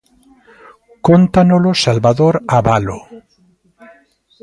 Cóntanolo Salvador Abalo.